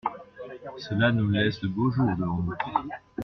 Cela nous laisse de beaux jours devant nous.